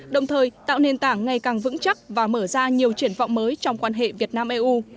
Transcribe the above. đồng thời tạo nền tảng ngày càng vững chắc và mở ra nhiều triển vọng mới trong quan hệ việt nam eu